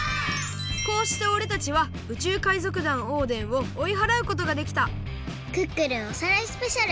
こうしておれたちは宇宙海賊団オーデンをおいはらうことができた「クックルンおさらいスペシャル！」